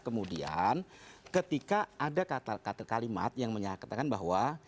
kemudian ketika ada kata kalimat yang menyatakan bahwa